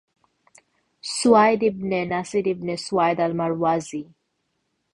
Suwaid ibn Nasir ibn Suwaid আল-মারওয়াজি